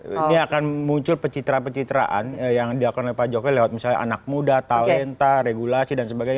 ini akan muncul pecitra pecitraan yang dilakukan oleh pak jokowi lewat misalnya anak muda talenta regulasi dan sebagainya